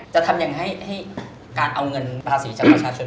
จะทำยังไงให้การเอาเงินภาษีจากประชาชน